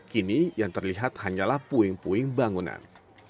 kini yang terlihat hanyalah puing puing bangunan